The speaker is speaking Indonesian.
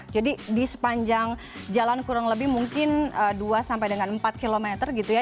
jadi di sepanjang jalan kurang lebih mungkin dua sampai dengan empat km gitu ya